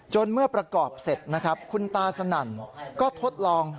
เมื่อประกอบเสร็จนะครับคุณตาสนั่นก็ทดลอง